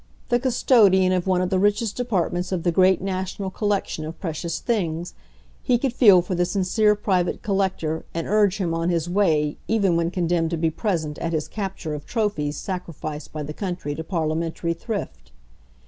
The custodian of one of the richest departments of the great national collection of precious things, he could feel for the sincere private collector and urge him on his way even when condemned to be present at his capture of trophies sacrificed by the country to parliamentary thrift.